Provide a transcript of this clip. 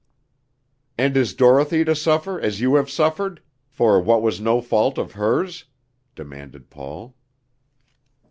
"And is Dorothy to suffer as you have suffered, for what was no fault of hers?" demanded Paul.